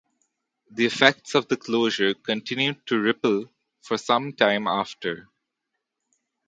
The effects of the closure continued to ripple for some time after.